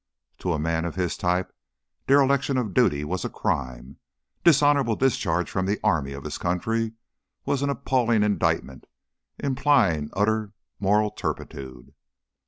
To a man of his type dereliction of duty was a crime; dishonorable discharge from the army of his country was an appalling indictment implying utter moral turpitude.